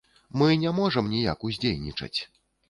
Мы не можам ніяк уздзейнічаць.